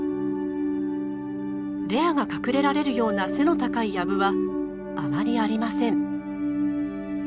レアが隠れられるような背の高い藪はあまりありません。